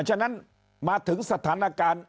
ฉะนั้นมาถึงสถานการณ์